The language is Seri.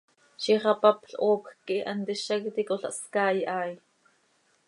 Ziix hapapl hoopjc quih hant hizac iti cola hscaai haa hi.